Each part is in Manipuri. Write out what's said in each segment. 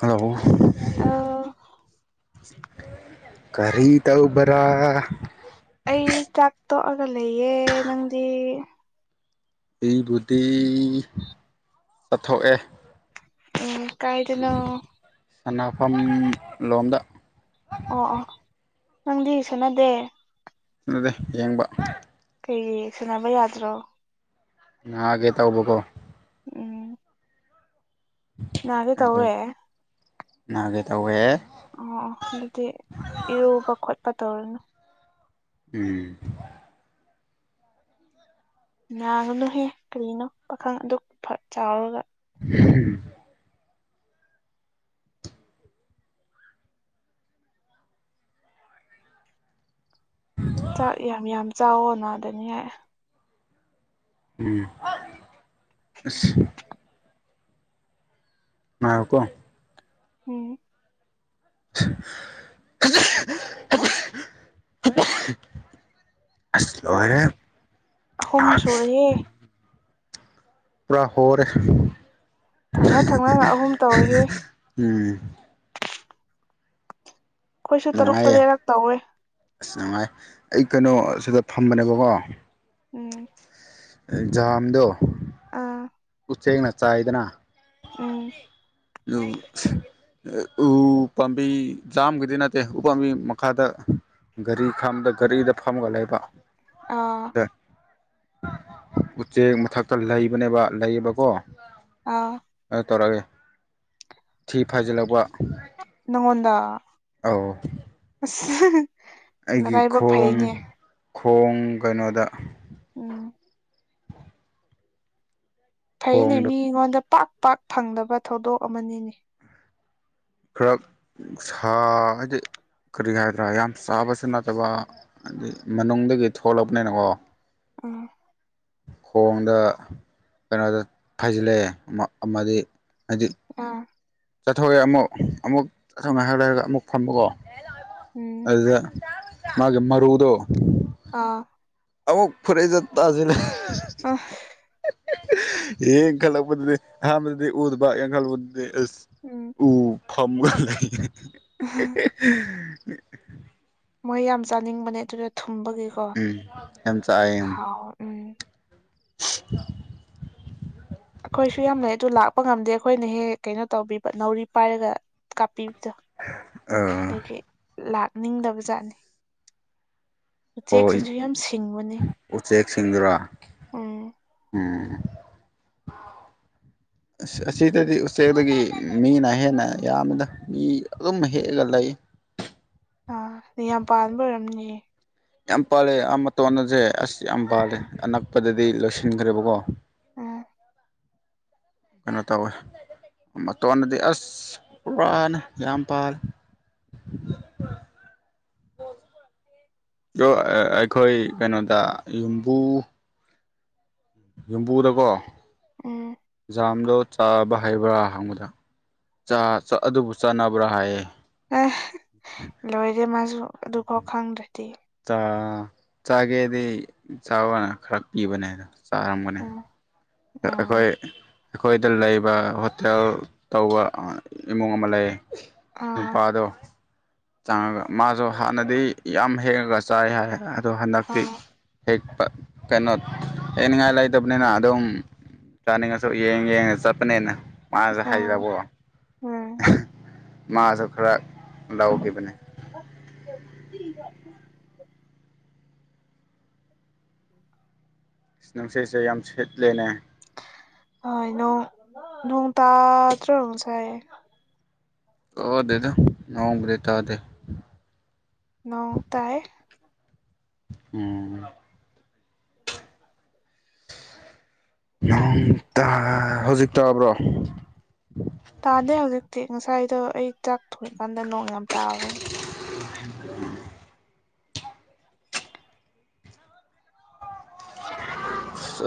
ꯍꯂꯣ ꯑ ꯀꯔꯤ ꯇꯧꯕꯔꯥ ꯑꯩ ꯆꯥꯛ ꯇꯣꯛꯑꯒ ꯂꯩꯌꯦ ꯅꯪꯗꯤ ꯑꯩꯕꯨꯗꯤ ꯆꯠꯊꯣꯛꯑꯦ ꯎꯝ ꯀꯥꯏꯗꯅ ꯁꯅꯐꯝ ꯂꯣꯝꯗ ꯑꯣ ꯑꯣ ꯅꯪꯗꯤ ꯁꯥꯟꯅꯗꯦ ꯑꯗꯨꯅꯗꯤ ꯌꯦꯡꯕ ꯀꯩ ꯁꯥꯟꯅꯕ ꯌꯥꯗ꯭ꯔꯣ ꯅꯒꯦ ꯇꯧꯕꯀꯣ ꯎꯝ ꯅꯦ ꯑꯗꯨ ꯇꯧꯋꯦ ꯅꯥꯒꯦ ꯇꯧꯋꯦ ꯑꯣ ꯑꯗꯨꯗꯤ ꯏꯔꯨꯕ ꯈꯣꯠꯄ ꯇꯧꯔꯅꯨ ꯎꯝ ꯅꯥꯒꯗꯍꯦ ꯀꯔꯤꯅꯣ ꯄꯥꯈꯪ ꯑꯗꯨ ꯐ ꯆꯥꯎꯔꯒ ꯎꯝ ꯎ ꯆꯥꯛ ꯌꯥꯝ ꯌꯥꯝ ꯆꯥꯎꯋꯣ ꯅꯥꯗꯅꯤ ꯍꯥꯏ ꯎꯝ ꯑ ꯃꯥꯀꯣ ꯎꯝ [unintelligible] ꯑꯁ ꯑꯍꯨꯝ ꯁꯨꯔꯑꯦ ꯄꯨꯔꯥ ꯍꯔ ꯊꯪꯅ ꯊꯪꯅꯅ ꯑꯍꯨꯝ ꯇꯧꯏꯌꯦ ꯎꯝ ꯑꯩꯈꯣꯏꯁꯨ ꯇꯔꯨꯛ ꯅꯨꯡꯉꯥꯏꯌꯦ ꯇꯔꯦꯠꯔꯛ ꯇꯧꯋꯦ ꯑꯁ ꯅꯨꯡꯉꯥꯏ ꯑꯩ ꯀꯩꯅꯣ ꯁꯤꯗ ꯐꯝꯕꯅꯦꯕꯀꯣ ꯎꯝ ꯑꯦꯛꯖꯥꯝꯗꯣ ꯑꯥ ꯎꯆꯁꯦꯡꯅ ꯆꯥꯏꯗꯅ ꯎꯝ ꯑꯗꯨ ꯎ ꯄꯝꯕꯤ ꯌꯥꯝꯥꯝꯒꯤꯗꯤ ꯅꯠꯇꯦ ꯎꯄꯥꯝꯕꯤ ꯃꯈꯥꯗ ꯒꯥꯔꯤ ꯈꯝꯕꯗ ꯒꯥꯔꯤꯗ ꯐꯝꯃꯒ ꯂꯩꯕ ꯑꯥ ꯑꯗ ꯎꯆꯦꯛ ꯃꯊꯛꯇ ꯂꯩꯕꯅꯦꯕ ꯂꯩꯌꯦꯕꯀꯣ ꯑꯥ ꯇꯧꯔꯛꯑꯒꯦ ꯊꯤ ꯐꯥꯖꯤꯜꯂꯛꯄ ꯉꯒꯣꯟꯗ ꯑꯧ [unintelligible] ꯑꯩꯒꯤ ꯅꯔꯥꯏꯕꯛ ꯈꯣꯡ ꯐꯩꯅꯦ ꯈꯣꯡ ꯀꯩꯅꯣꯗ ꯎꯝ ꯐꯩꯅꯦ ꯈꯣꯡꯗ ꯃꯤꯉꯣꯟꯗ ꯄꯥꯛ ꯄꯥꯛ ꯐꯪꯗꯕ ꯊꯧꯗꯣꯛ ꯑꯃꯅꯤꯅꯤ ꯫ ꯈꯔ ꯁꯥ ꯍꯥꯏꯗꯤ ꯀꯔꯤ ꯍꯥꯏꯗ꯭ꯔꯥ ꯌꯥꯝ ꯆꯥꯕꯁꯨ ꯅꯠꯇꯕ ꯑꯗꯨꯗꯤ ꯃꯅꯨꯡꯗꯒꯤ ꯊꯣꯛꯂꯛꯄꯅꯤꯅꯀꯣ ꯎꯝ ꯈꯣꯡꯗ ꯀꯩꯅꯣꯗ ꯐꯩꯖꯤꯜꯂꯛꯑꯦ ꯑꯃꯗꯤ ꯍꯧꯖꯤꯛ ꯑꯥ ꯆꯠꯊꯣꯛꯑꯦ ꯑꯃꯨꯛ ꯑꯃꯨꯛ ꯑꯊꯧ ꯉꯥꯏꯍꯔ ꯂꯩꯔꯒ ꯑꯃꯨꯛ ꯐꯕꯀꯣ ꯎꯝ ꯑꯗꯨꯗ ꯃꯥꯒꯤ ꯃꯔꯨꯗꯣ ꯑꯥ ꯑꯃꯨꯛ ꯐꯔꯩꯖꯠ ꯇꯖꯤꯜꯂ ꯫ ꯑꯍꯥ ꯌꯦꯡ ꯈꯜꯂꯛꯄꯗꯨꯗꯤ ꯍꯥꯟꯕꯗꯨꯗꯤ ꯎꯗꯨꯕꯡ ꯈꯜꯂꯛꯄꯗꯨꯗꯤ ꯑ ꯎꯝ ꯎ ꯐꯝꯒ ꯂꯩ꯫ ꯃꯣꯏ ꯌꯥꯝ ꯆꯥꯅꯤꯡꯕꯅꯦ ꯑꯗꯨꯗ ꯊꯨꯝꯕꯒꯤ꯫ ꯎꯝ ꯌꯥꯝ ꯆꯥꯏꯌꯦ꯫ ꯎꯝ [inaudible] ꯑꯩꯈꯣꯏꯁꯨ ꯌꯥꯝ ꯂꯩ ꯑꯗꯨ ꯂꯥꯛꯄ ꯉꯝꯗꯦ ꯑꯩꯈꯣꯏꯅ ꯍꯦꯛ ꯀꯩꯅꯣ ꯇꯧꯕꯤꯕ ꯅꯥꯎꯔꯤ ꯄꯥꯏꯔꯒ ꯀꯥꯞꯄꯤꯕꯗꯣ ꯑꯥ ꯑꯗꯒꯤ ꯂꯥꯛꯅꯤꯡꯗꯕ ꯖꯥꯠꯅꯤ꯫ ꯍꯣꯏ ꯎꯆꯦꯛꯁꯤꯡꯁꯨ ꯌꯥꯝ ꯁꯤꯡꯕꯅꯤ ꯎꯆꯦꯛꯁꯤꯡꯗꯨꯔ ꯎꯝ ꯎꯝ ꯑꯁꯤꯗꯗꯤ ꯎꯆꯦꯛꯗꯒꯤ ꯃꯤꯅ ꯍꯦꯟꯅ ꯌꯥꯝꯕꯗ ꯃꯤ ꯑꯗꯨꯝ ꯍꯦꯛꯑꯒ ꯂꯩ꯫ ꯑꯥ ꯑ ꯌꯥꯝ ꯄꯥꯟꯕ ꯑꯣꯏꯔꯝꯅꯤꯌꯦ꯫ ꯌꯥꯝ ꯄꯥꯜꯂꯦꯥ ꯃꯇꯣꯟ ꯑꯁꯦ ꯑꯁ ꯌꯥꯝ ꯄꯥꯜꯂꯦ ꯎꯝ ꯑꯅꯛꯄꯗꯗꯤ ꯂꯣꯏꯁꯤꯟꯈ꯭ꯔꯦꯕꯀꯣ꯫ ꯎꯝ ꯀꯩꯅꯣ ꯇꯧꯋꯦ ꯃꯇꯣꯟꯅꯗꯤ ꯑꯁ ꯄꯨꯔꯥꯅ ꯌꯥꯝ ꯄꯥꯜꯂꯤ꯫ [inaudible] ꯑꯩꯈꯣꯏ ꯀꯩꯅꯣꯗ ꯌꯨꯝꯕꯨ ꯌꯨꯝꯕꯨꯗꯀꯣ ꯎꯝ ꯖꯥꯝꯗꯣ ꯆꯥꯕ ꯍꯩꯕ꯭ꯔꯥ ꯍꯪꯕꯗ ꯑꯗꯨꯕꯨ ꯆꯥꯅꯕ꯭ꯔꯥ ꯍꯥꯏꯌꯦ꯫ ꯑꯁ ꯂꯣꯏꯔꯦ ꯃꯥꯁꯨ ꯑꯗꯨ ꯐꯥꯎ ꯀꯨꯡꯗꯔ꯭ꯗ ꯫ ꯆꯥꯒꯦꯗꯤ ꯆꯥꯕꯅ ꯈꯔ ꯄꯤꯕꯅꯦ ꯑꯗꯣ ꯆꯥꯔꯝꯒꯅꯦ꯫ ꯎ ꯑꯩꯈꯣꯏ ꯑꯥ ꯑꯩꯈꯣꯏꯗ ꯂꯩꯕ ꯍꯣꯇꯦꯜ ꯇꯧꯕ ꯏꯃꯨꯡ ꯑꯃ ꯂꯩ꯫ ꯅꯨ ꯑꯥ ꯄꯥꯗꯣ ꯆꯪꯉꯒ ꯃꯥꯁꯨ ꯍꯥꯟꯅꯗꯤ ꯌꯥꯝ ꯍꯦꯡꯉꯒ ꯆꯥꯏ ꯍꯥꯏ ꯑꯗꯣ ꯍꯟꯗꯛꯇꯤ ꯑꯥ ꯍꯦꯛꯄ ꯀꯩꯅꯣ ꯍꯦꯛꯅꯤꯡꯉꯥꯏ ꯂꯩꯇꯕꯅꯤꯅ ꯑꯗꯨꯝ ꯆꯅꯤꯡꯉꯁꯨꯣ ꯌꯦꯡ ꯌꯦꯡꯉ ꯆꯄꯅꯦꯅ ꯃꯥꯁꯨ ꯑꯥ ꯍꯥꯏꯔꯕꯣ ꯎꯝ ꯃꯥꯁꯨ ꯈꯔ ꯂꯧꯈꯤꯕꯅꯦ꯫ [inaudible] ꯅꯨꯡꯁꯤꯠꯁꯦ ꯌꯥꯝ ꯁꯤꯠꯂꯦꯅꯦ ꯍꯣꯏ ꯅꯣꯡ ꯅꯣꯡ ꯇꯥꯗꯔꯣ ꯉꯥꯁꯥꯏ ꯇꯥꯗꯦꯗ ꯅꯣꯡꯕꯨꯗꯤ ꯇꯥꯗꯦ ꯅꯣꯡ ꯇꯥꯏꯌꯦ ꯎꯝ ꯅꯣꯡ ꯇꯥ ꯍꯧꯖꯤꯛ ꯇꯥꯕ꯭ꯔꯣ ꯇꯥꯗꯦ ꯍꯧꯖꯤꯛꯇꯤ ꯉꯁꯥꯏꯗꯣ ꯑꯩ ꯆꯥꯛ ꯊꯣꯡꯏꯀꯥꯟꯗ ꯅꯣꯡ ꯌꯥꯝ ꯇꯥꯒꯔꯦ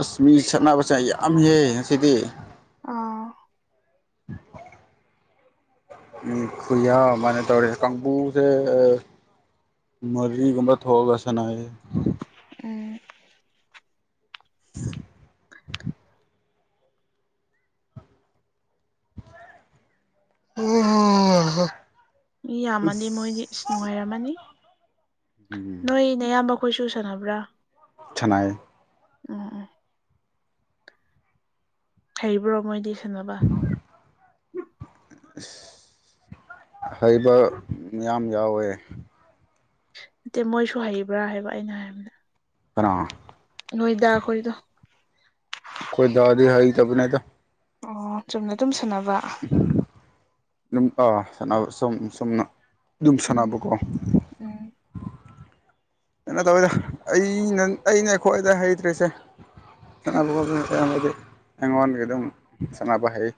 ꯑꯁ ꯃꯤ ꯁꯛꯅꯕꯁꯦ ꯌꯥꯝꯃꯤꯍꯦ ꯉꯁꯤꯗꯤ ꯑꯥ ꯎꯝ ꯈꯨꯨꯌꯥꯃꯅꯦ ꯇꯧꯔꯤ ꯀꯥꯡꯕꯨꯁꯦ ꯃꯔꯤꯒꯨꯝꯕ ꯊꯣꯛꯑꯒ ꯁꯥꯅꯩꯌꯦ ꯎꯝ [unintelligible] [unintelligible] ꯃꯤ ꯌꯥꯝꯃꯗꯤ ꯑꯁ ꯃꯣꯏꯗꯤ ꯏꯁ ꯅꯨꯡꯉꯥꯏꯔꯝꯃꯅꯤ ꯎꯝ ꯅꯣꯏ ꯅꯌꯥꯝꯕ ꯈꯣꯏꯁꯨ ꯁꯥꯟꯅꯕ꯭ꯔꯥ ꯁꯥꯅꯩ ꯌꯦ [unintelligible] ꯍꯩꯕ꯭ꯔꯣ ꯃꯣꯏꯗꯤ ꯁꯥꯅꯕ ꯍꯩꯕ ꯌꯥꯝ ꯌꯥꯎꯋꯦ ꯅꯠꯇꯦ ꯃꯣꯏꯁꯨ ꯍꯩꯕ꯭ꯔꯥ ꯍꯥꯏꯕ ꯑꯩꯅ ꯍꯥꯏꯕꯅꯦ ꯀꯅꯥ ꯅꯣꯏꯗꯥ ꯈꯣꯏꯗꯣ ꯈꯣꯏꯗꯥꯗꯤ ꯍꯩꯇꯕꯅꯦꯗ ꯑꯣ ꯆꯨꯝꯅ ꯗꯨꯝ ꯁꯥꯟꯅꯕ ꯑꯗꯨꯝ ꯑꯥ ꯁꯥꯅꯕ ꯁꯨꯝ ꯆꯨꯨꯝꯅ ꯑꯗꯨꯝ ꯎꯝ ꯁꯥꯟꯅꯕꯀꯣ ꯎꯝ ꯀꯩꯅꯣ ꯇꯧꯋꯤꯗ ꯑꯩꯅ ꯑꯩꯅꯦ ꯈꯋ꯭ꯥꯏꯗꯩ ꯍꯩꯇ꯭ꯔꯤꯁꯦ [unintelligible] [unintelligible] ꯑꯩꯉꯣꯟꯗꯒꯤ ꯑꯗꯨꯝ ꯁꯥꯟꯅꯕ ꯍꯩꯌꯦ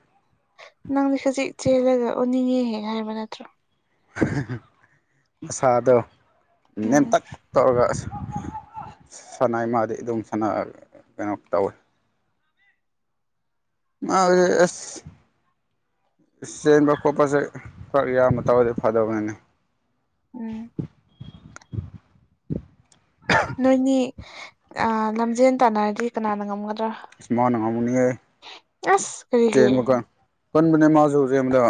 ꯅꯪꯗꯤ ꯍꯨꯖꯤꯛ ꯆꯦꯜꯂꯒ ꯎꯅꯤꯡꯉꯦꯍꯦꯛ ꯍꯥꯏꯕ ꯅꯠꯇ꯭ꯔꯣ ꯃꯁꯥꯗꯣ ꯎꯝ ꯅꯦꯝꯇꯛ ꯇꯧꯔꯒ ꯑꯁ ꯁꯥꯟꯅꯥꯏ ꯃꯥꯗꯤ ꯑꯗꯨꯝ ꯁꯅ ꯀꯩꯅꯣ ꯇꯧꯋꯤ [unintelligible] ꯑꯁ ꯆꯦꯟꯕ ꯈꯣꯠꯄꯁꯦ ꯈꯔ ꯌꯥꯝꯕ ꯇꯧꯔꯗꯤ ꯐꯗꯕꯅꯤꯅꯤ ꯎꯝ ꯅꯣꯏꯅꯤ ꯂꯝꯖꯦꯟ ꯇꯥꯟꯅꯔꯗꯤ ꯀꯅꯥꯅ ꯉꯝꯒꯗ꯭ꯔꯥ ꯏꯁ ꯃꯥꯅ ꯉꯝꯒꯅꯤꯍꯦ ꯑꯁ ꯀꯔꯤꯒꯤ ꯆꯦꯟꯕꯀꯥꯟ ꯄꯟꯕꯅꯦ ꯃꯥꯖꯨ ꯆꯦꯟꯕꯗ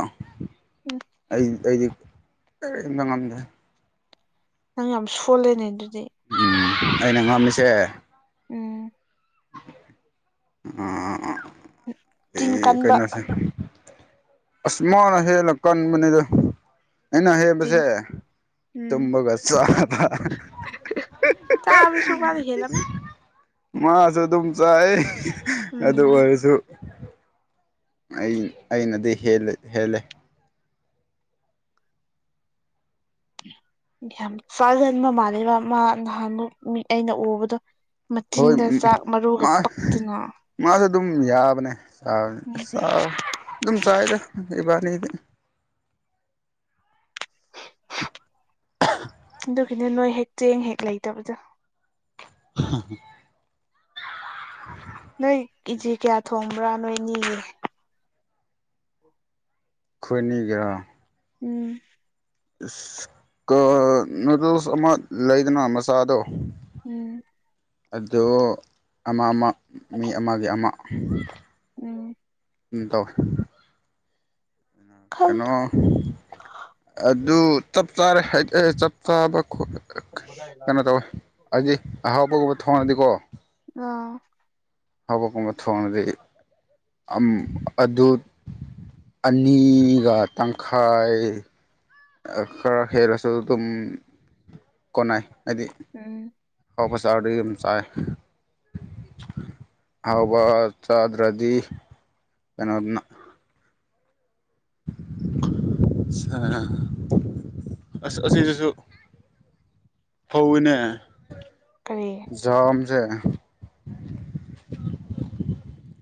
ꯎꯝ ꯑꯩ ꯑꯩꯗꯤ [unintelligible] ꯉꯝꯗꯦ ꯅꯪ ꯌꯥꯝ ꯁꯣꯜꯂꯦꯅꯦ ꯑꯗꯨꯗꯤ ꯎꯝ ꯑꯩꯅ ꯉꯝꯃꯤꯁꯦ ꯎꯝ ꯑ ꯑ ꯆꯤꯟ ꯑꯦ ꯀꯟꯕ ꯀꯩꯅꯣꯁꯦ ꯑꯁ ꯃꯥꯅ ꯍꯦꯜꯂ ꯀꯟꯕꯅꯤꯗ ꯑꯩꯅ ꯆꯤꯟ ꯍꯦꯟꯕꯁꯦ ꯎꯝ ꯇꯨꯝꯕꯒ ꯆꯥꯕ ꯆꯥꯕꯁꯨ ꯃꯥꯅ ꯍꯦꯜꯂꯝꯅꯤ ꯃꯥꯁꯨ ꯑꯗꯨꯝ ꯆꯥꯏ ꯑꯗꯨ ꯎꯝ ꯑꯣꯏꯔꯁꯨ ꯑꯩ ꯑꯩꯅꯗꯤ ꯍꯦꯜꯂꯦ ꯍꯦꯜꯂꯦ ꯌꯥꯝ ꯆꯥꯒꯟꯕ ꯃꯥꯜꯂꯦꯕ ꯃꯥ ꯅꯍꯥꯟꯃꯨꯛ ꯃꯤ ꯑꯩꯅ ꯎꯕꯗꯣ ꯍꯣꯏ ꯃꯆꯤꯟꯗ ꯆꯥꯛ ꯃꯔꯨꯒ ꯃꯥ ꯄꯛꯇꯅ ꯃꯥꯁꯨ ꯑꯗꯨꯝ ꯌꯥꯕꯅꯦ ꯌꯥꯕꯅꯦ ꯎꯝ ꯑꯗꯨꯝ ꯆꯥꯏꯗ ꯏꯕꯥꯅꯤꯗꯤ [unintelligible] ꯑꯗꯨꯒꯤꯅꯦ ꯅꯣꯏ ꯍꯦꯛ ꯆꯦꯡ ꯍꯦꯛ ꯂꯩꯇꯕꯗꯣ [unintelligible] ꯅꯣꯏ ꯀꯦꯖꯤ ꯀꯌꯥ ꯊꯣꯡꯕ꯭ꯔꯥ ꯅꯣꯏ ꯑꯅꯤꯒꯤ ꯈꯣꯏꯅꯤꯒꯤꯔꫭ ꯎꯝ ꯑꯁ ꯀꯥꯜ ꯅꯨꯗꯜꯁ ꯑꯃ ꯂꯩꯗꯅ ꯃꯆꯥꯗꯣ ꯎꯝ ꯑꯗꫭ ꯑꯃ ꯑꯃ ꯃꯤ ꯑꯃꯒꯤ ꯑꯃ ꯎꯝ ꯎꯝ ꯇꯧꯏꯋꯦ ꯀꯩꯅꯣ ꯈꯪꯗꯦ ꯑꯗꯨ ꯆꯞ ꯆꯥꯔꯦ [unintelligible] ꯆꯞ ꯆꯥꯕ ꯈꫭꯠ ꯀꯩꯅꯣ ꯇꯧꯋꯦ ꯍꯥꯏꯗꯤ ꯑꯍꯥꯎꯕꯒꯨꯝꯕ ꯊꯣꯡꯉꯗꯤꯀꯣ ꯑꯥ ꯑꯍꯥꯎꯕꯒꯨꯝꯕ ꯊꯣꯡꯉꯗꯤ ꯑꯗꯨ ꯑꯅꯤꯒ ꯇꯪꯈꯥꯏ ꯈꯔ ꯍꯦꯜꯂꯁꯨ ꯑꯗꯨꯝ ꯀꯣꯟꯅꯩ ꯍꯥꯏꯗꯤ ꯎꯝ ꯑꯍꯥꯎꯕ ꯆꯥꯔꯗꯤ ꯑꯗꯨꯝ ꯆꯥꯏ ꯑꯍꯥꯎꯕ ꯆꯥꯗ꯭ꯔꯗꯤ ꯀꯩꯅꫭꯗꯨꯅ ꯑꯁ ꯑꯁꯤꯗꯁꯨ ꯐꯧꯏꯅꯦ ꯀꯔꯤ ꯖꯝꯁꯦ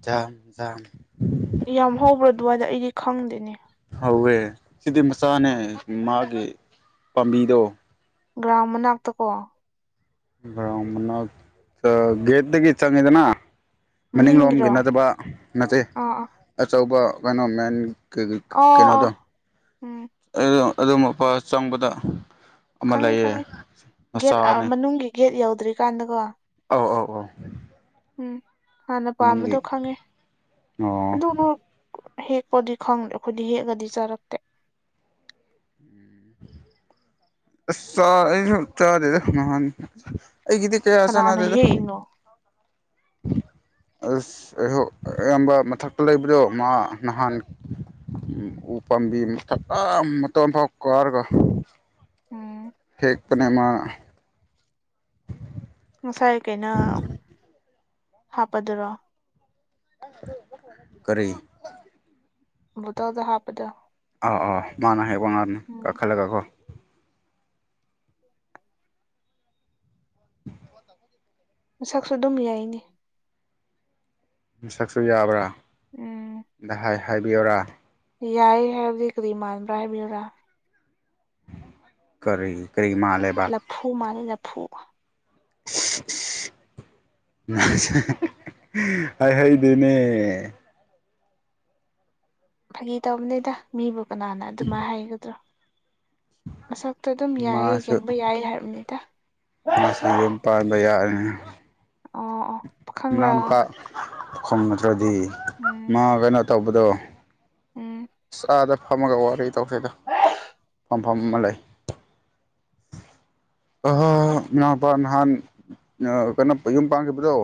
ꯖꯝ ꯖꯝ ꯌꯥꯝ ꯍꯧꯕ꯭ꯔ ꯑꯗꯨꯋꯥꯏꯗ ꯑꯩꯗꯤ ꯈꯪꯗꯦꯅꯦ ꯍꯧꯋꯦ ꯁꯤꯗꯤ ꯃꯆꯥꯅꯦ ꯃꯥꯒꯤ ꯄꯥꯝꯕꯤꯗꯣ ꯒ꯭ꯔꫭꯎꯟ ꯃꯅꯥꯥꯛꯇ ꯀꯣ ꯒ꯭ꯔꫭꯎꯟ ꯃꯅꯥꯛꯇ ꯒꯦꯠꯇꯒꯤ ꯆꯪꯉꯤꯗꯅ ꯃꯅꯤꯡꯂꯣꯝꯒꯤ ꯃꯅꯤꯡꯒꯤꯔꯣ ꯅꯠꯇꯕ ꯅꯠꯇꯦ ꯑꯥ ꯑꯥ ꯑꯆꯧꯕ ꯀꯩꯅꯣ ꯃꯦꯟ ꯑꯣ ꯑꯣ ꯀꯩꯅꯣꯗꯣ ꯎꯝ ꯑꯗꯨ ꯑꯗꯨ ꯃꯄꯥ ꯆꯪꯕꯗ ꯑꯃ ꯈꯪꯉꯦ ꯂꯩꯌꯦ ꯈꯪꯉꯦ ꯒꯦꯠ ꯃꯆꯥꯅꯦ ꯃꯅꯨꯡꯒꯤ ꯒꯦꯠ ꯌꯧꯗ꯭ꯔꯤꯀꯥꯟꯗꯀꯣ ꯑꯥꯎ ꯑꯥꯎ ꯑꯥꯎ ꯎꯝ ꯍꯥꯟꯅ ꯄꯥꯝꯕꯗꯣ ꯈꯪꯉꯦ ꯑꯣ ꯑꯗꯨꯕꯨ ꯍꯦꯛꯄꯗꯤ ꯈꯪꯗꯦ ꯑꯩꯈꯣꯏꯗꯤ ꯍꯦꯛꯑꯥꯒꯗꯤ ꯆꯥꯔꯛꯇꯦ ꯑꯁ ꯆꯥ ꯑꯩꯁꯨ ꯆꯗꯦꯗꯥ ꯅꯍꯥꯟ ꯑꯩꯒꯤꯗꯤ ꯀꯌꯥ ꯀꯅꯥꯅ ꯆꯥꯟꯅꯗꯦꯗ ꯍꯦꯛ ꯏꯅꫭ ꯑꯁ ꯑꯩꯍ ꯑꯌꯥꯝꯕ ꯃꯊꯛꯇ ꯂꯩꯕꯗꯣ ꯃꯥ ꯅꯍꯥꯟ ꯎꯄꯥꯥꯝꯕꯤ ꯃꯊꯛ ꯑꯥ ꯃꯇꯣꯟ ꯐꯥꯎ ꯀꯥꯔꯒ ꯎꯝ ꯍꯦꯛꯄꯅꯦ ꯃꯥ ꯉꯁꯥꯏ ꯀꯩꯅ ꯍꯥꯞꯄꯗꯨꯔꯣ ꯀꯔꯤ ꯕꫭꯇꯜꯗ ꯍꯥꯞꯄꯗꫭ ꯑꯥ ꯑꯥ ꯃꯥꯟꯅ ꯍꯥꯏꯕ ꯉꯥꯛꯅꯦ ꯎꯝ ꯀꯈꯤꯠꯂꯒꯥ ꯀꫭ ꯃꯁꯛꯁꯨ ꯑꯗꯨꯝ ꯌꯥꯏꯅꯦ ꯃꯤꯁꯛꯁꯨ ꯌꯥꯕ꯭ꯔꯥ ꯎꯝ ꯑꯗꯥ ꯍꯥꯏꯕꯤꯌꯣꯔꯥ ꯌꯥꯏ ꯍꯥꯏꯕꯗꯤ ꯀꯔꯤꯃꯥꯟꯕ꯭ꯔꯦꯕꯤꯔꯥ ꯀꯔꯤ ꯀꯔꯤ ꯃꯥ ꯂꯦ ꯂꯐꯨ ꯃꯥꯅꯤ ꯂꯐꯨ ꯍꯥꯏ ꯍꯩꯗꯅꯦ ꯐꯥꯒꯤ ꯇꯧꯕꯅꯤꯗ ꯃꯤꯕꯨ ꯀꯅꯥꯅ ꯑꯗꯨꯃ ꯍꯥꯏꯒꯗ꯭ꯔꯣ ꯃꯁꯛꯇ ꯑꯗꯨꯝ ꯌꯥꯏꯌꯦ ꯃꯥꯁꯨ ꯌꯦꯡꯕ ꯌꯥꯏ ꯍꯥꯏꯔꯕꯅꯤꯗ ꯃꯥꯁꯨ ꯌꯨꯝ ꯄꯥꯟꯕ ꯌꯥꯔꯅꯤ ꯑꯣ ꯄꯥꯈꯪꯔꯥ ꯏꯅꯥꯎꯅꯨꯄꯥ ꯈꯨꯝ ꯅꯗ꯭ꯔꯗꯤ ꯎꯝ ꯃꯥ ꯀꯩꯅꯣ ꯇꯧꯕꯗꯣ ꯎꯝ ꯆꯥꯗ ꯐꯝꯃꯒ ꯋꯥꯔꯤ ꯇꯧꯁꯤꯗ ꯐꯝꯐꯝ ꯑꯃ ꯂꯩ ꯑ ꯏꯃꯥꯄꯥ ꯅꯍꯥꯟ ꯀꯩꯅꯣ ꯌꯨꯝ ꯄꯥꯟꯈꯤꯕꯗꯣ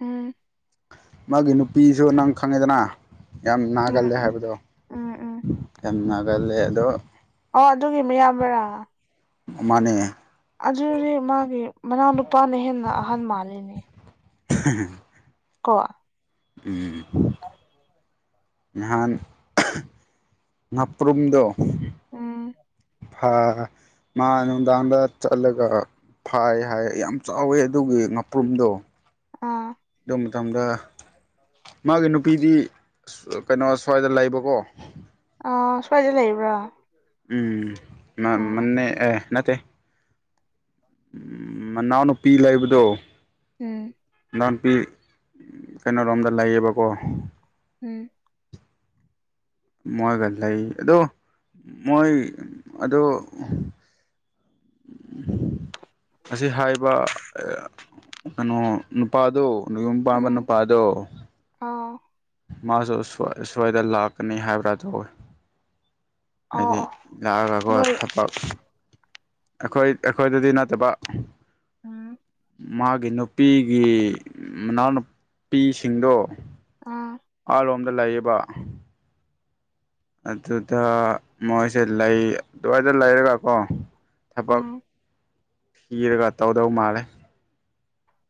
ꯎꯝ ꯃꯥꯒꯤ ꯅꯨꯄꯤꯁꯨ ꯅꯪ ꯈꯪꯉꯦꯗꯅ ꯌꯥꯝ ꯎꯝ ꯅꯥꯒꯜꯂꯦ ꯎꯝ ꯍꯥꯏꯕꯗꯣ ꯎꯝ ꯎꯝ ꯌꯥꯝ ꯒꯥꯒꯥꯂꯗ ꯑꯣ ꯑꯗꯨꯒꯤꯃꯌꯥꯝꯕ꯭ꯔꯥ ꯃꯅꯦ ꯑꯗꯨꯗꯤ ꯃꯥꯒꯤ ꯃꯅꯥꯎꯅꯨꯄꯥꯅ ꯍꯦꯟꯅ ꯑꯍꯟ ꯃꯥꯜꯂꯤꯅꯦ [inaudible] ꯀꯣ ꯎꯝ ꯅꯍꯥꯟ ꯎꯄ꯭ꯔꯝꯗ ꯎꯝ ꯐ ꯃꯥ ꯅꯨꯡꯗꯥꯡꯗ ꯆꯠꯂꯒ ꯐꯥꯏ ꯍꯥꯏ ꯌꯥꯝ ꯆꯥꯎꯋꯦ ꯑꯗꯨꯒꯤ ꯉꯥꯄ꯭ꯔꯨꯝꯗꯣ ꯑꯥ ꯑꯗꯨ ꯃꯇꯝꯗ ꯃꯥꯒꯤ ꯅꯨꯄꯤꯗꯤ ꯀꯩꯅꯣ ꯁ꯭ꯋꯥꯏꯗ ꯂꯩꯕꯀꯣ ꯑ ꯁ꯭ꯋꯥꯏꯗ ꯂꯩꯕ꯭ꯔꯥ ꯎꯝ ꯃ ꯎꯝ ꯃꯅꯦ ꯑꯦ ꯅꯠꯇꯦ ꯃꯅꯥꯎꯅꯨꯄꯤ ꯂꯩꯕꯗꯣ ꯎꯝ [unintelligible] ꯄꯤ ꯀꯩꯅꯣꯔꯣꯝꯗ ꯂꯩꯌꯦꯕꯀꯣ ꯎꯝ ꯃꯣꯏꯒ ꯂꯩ ꯑꯗꯣ ꯃꯣꯏ ꯑꯗꯣ [unintelligible] ꯑꯁꯤ ꯍꯥꯏꯕ ꯀꯩꯅꯣ ꯅꯨꯄꯥꯗꯣ ꯅꯌꯨꯝ ꯄꯥꯟꯕ ꯅꯨꯄꯥꯗꯣ ꯑꯥ ꯃꯥꯁꯨ ꯁ꯭ꯋꯥꯏꯗ ꯂꯥꯛꯀꯅꯤ ꯍꯥꯏꯕ꯭ꯔꯥ ꯇꯧꯋꯤ ꯑꯣ ꯍꯥꯏꯗꯤ ꯑꯣ ꯂꯥꯛꯑꯒꯀꯣ ꯅꯣꯏ ꯊꯕꯛ ꯑꯩꯈꯣꯏ ꯑꯩꯈꯣꯏꯗꯗꯤ ꯅꯠꯇꯕ ꯎꯝ ꯃꯥꯒꯤ ꯅꯨꯄꯤꯒꯤ ꯃꯅꯥꯎꯅꯨꯄꯤꯁꯤꯡꯗꯣ ꯎꯝ ꯑꯂꯣꯝꯗ ꯂꯩꯌꯦꯕ ꯑꯗꯨꯗ ꯃꯣꯏꯁꯦ ꯂꯩ ꯑꯗꯨꯋꯥꯏꯗ ꯂꯩꯔꯒꯀꯣ ꯊꯕꯛ ꯎꯝ ꯊꯤꯔꯒ ꯇꯧꯗꯧ ꯃꯥꯜꯂꯦ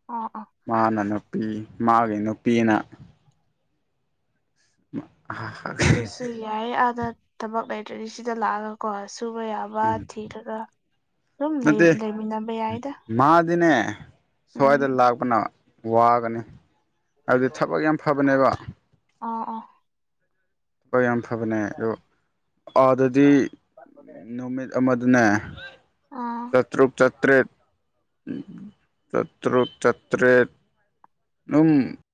ꯑꯣ ꯑ ꯃꯥꯅ ꯅꯨꯄꯤ ꯃꯥꯒꯤ ꯅꯨꯄꯤꯅ ꯍ ꯑꯗꯨꯁꯨ ꯌꯥꯏ ꯑꯥꯗ ꯊꯕꯛ ꯂꯩꯇ꯭ꯔꯗꯤ ꯁꯤꯗ ꯂꯥꯛꯑꯒꯀꯣ ꯁꯨꯕ ꯌꯥꯕ ꯕꯥ ꯊꯤꯔꯒ ꯑꯗꯨꯝ ꯅꯠꯇꯦ ꯂꯩꯃꯤꯟꯅꯕ ꯌꯥꯏꯗ ꯃꯥꯗꯤꯅꯦ ꯁ꯭ꯋꯥꯏꯗ ꯎꯝ ꯂꯥꯛꯄꯅ ꯋꯥꯒꯅꯤ ꯍꯥꯏꯕꯗꯤ ꯊꯕꯛ ꯌꯥꯝ ꯐꯕꯅꯦꯕ ꯑꯥ ꯑꯥ ꯍꯣꯏ ꯌꯥꯝ ꯐꯕꯅꯦ ꯑꯗꯨ ꯑꯥꯗꯗꯤ ꯅꯨꯃꯤꯠ ꯑꯃꯗꯅꯦ꯫ ꯑꯥ ꯆꯠꯇꯨ꯭ꯛ ꯆꯇ꯭ꯔꯦꯠ ꯆꯠꯇ꯭ꯔꯨꯛ ꯆꯇ꯭ꯔꯦꯠ ꯅꯨꯡ